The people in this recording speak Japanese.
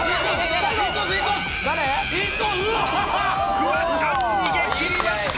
フワちゃん、逃げ切りました。